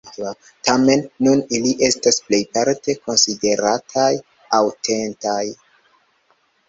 Tamen, nun ili estas plejparte konsiderataj aŭtentaj.